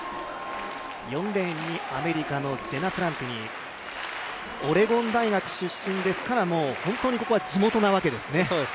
４レーンにアメリカのジェナ・プランティニ、オレゴン大学出身ですから、ここは本当にここは地元なわけですね。